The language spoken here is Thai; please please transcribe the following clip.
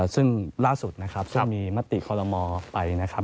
ซึ่งล่าสุดนะครับซึ่งมีมติคอลโลมอลไปนะครับ